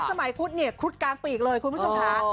สมัยครุฑเนี่ยครุฑกลางปีอีกเลยคุณผู้ชมภาค